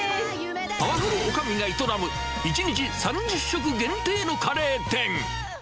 パワフルおかみが営む１日３０食限定のカレー店。